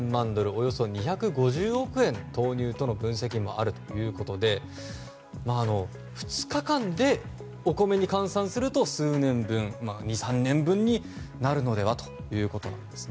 およそ２５０億円投入との分析もあるということで２日間でお米に換算すると数年分２３年分になるのではということです。